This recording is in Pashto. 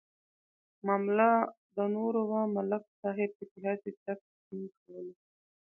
معامله د نور وه ملک صاحب پکې هسې چک ډینک کولو.